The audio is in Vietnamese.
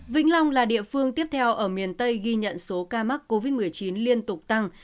vĩnh long là địa phương tiếp theo ở miền tây ghi nhận số ca mắc covid một mươi chín liên tục tăng